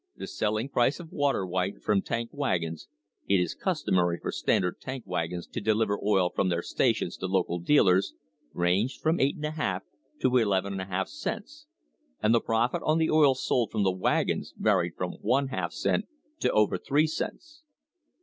The selling price of water white from tank wagons (it is customary for Standard tank wagons to deliver oil from their stations to local dealers) ranged from % l / 2 to n l /2 cents, and the profit on the oil sold from the wagons varied from about one half cent to over three cents.